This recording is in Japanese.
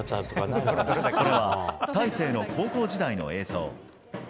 これは大勢の高校時代の映像。